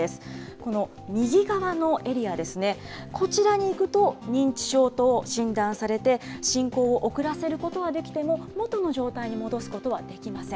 この右側のエリアですね、こちらにいくと、認知症と診断されて、進行を遅らせることはできても、元の状態に戻すことはできません。